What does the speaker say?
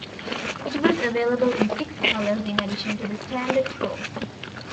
It was available in six colors in addition to the standard chrome.